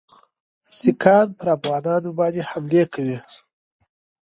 سیکهان پر افغانانو باندي حملې کوي.